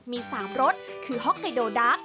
มี๓รสคือฮอกไกโดดัก